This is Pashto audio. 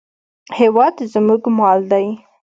هېواد زموږ مال دی